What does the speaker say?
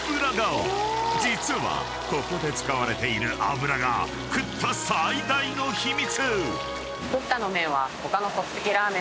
［実はここで使われている油がＱＴＴＡ最大の秘密！］